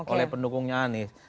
oleh pendukungnya anis